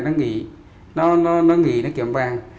nó nghỉ nó nghỉ nó kiểm vàng